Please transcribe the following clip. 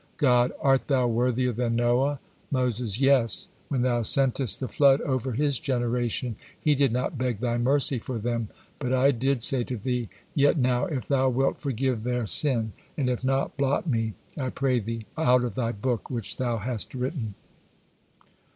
'" God: "Art thou worthier than Noah?" Moses: "Yes; when Thou sentest the flood over his generation he did not beg Thy mercy for them, but I did say to Thee, 'Yet now, if Thou wilt forgive their sin; and if not, blot me, I pray Thee, out of Thy book which Thou hast written.'"